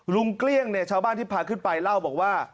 ลุงเกลี้ยงชาวบ้านที่พักขึ้นไปเล่าบอกว่า